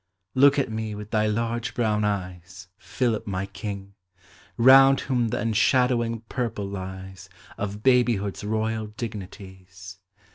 Look at me with thy large brown eyes, Philip, my king! Hound whom the enshadowing purple lies Of babyhood's royal dignities.